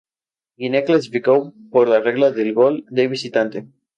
Guinea clasificó por la regla del gol de visitante.